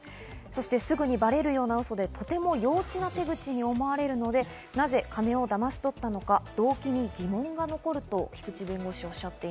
そしてすぐにばれるようなウソでとても幼稚な手口と思われるので、なぜ金をだまし取ったのか、動機に疑問が残ると菊地弁護士はおっしゃって